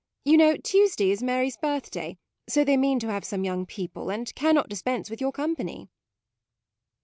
You know, Tuesday is Mary's birthday, so they mean to have some young people, and cannot dispense with your company."